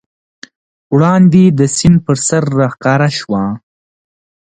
وړاندې د سیند پر سر راښکاره شوه.